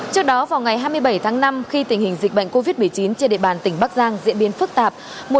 trước đó vào ngày hai mươi bảy tháng năm khi tình hình dịch bệnh covid một mươi chín trên địa bàn tỉnh bắc giang diễn biến phức tạp